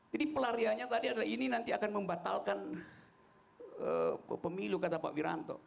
jadi pelarianya tadi adalah ini nanti akan membatalkan pemilu kata pak wiranto